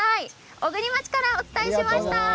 小国町からお伝えしました。